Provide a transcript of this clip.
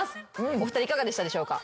お二人いかがでしたでしょうか？